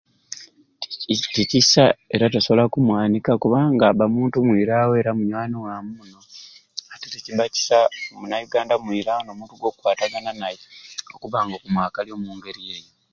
Tikisai era tosobola kumwanika kubanga abba muntu mwirawo era munywani waamu tikibba kisai munayuganda mwirawo gw'okukwatagana naye kubba nga okumwakalya omungeri eyo.